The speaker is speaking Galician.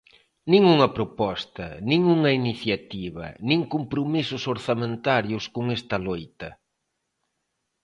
Nin unha proposta, nin unha iniciativa, nin compromisos orzamentarios con esta loita.